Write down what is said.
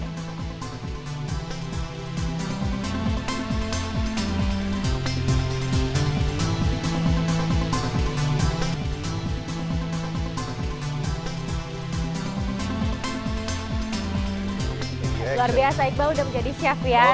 luar biasa iqbal udah menjadi chef ya